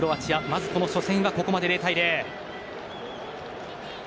まず、この初戦はここまで０対０。